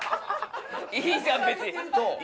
いいじゃん別に。